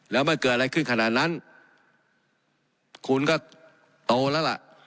แล้วมันเกิดอะไรขึ้นขนาดนั้นคุณก็โตแล้วล่ะ